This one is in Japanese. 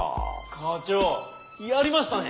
課長やりましたね！